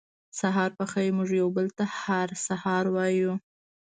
سهار پخېر موږ یو بل ته هر سهار وایو